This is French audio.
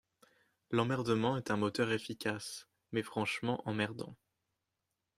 L’emmerdement est un moteur efficace... mais franchement emmerdant.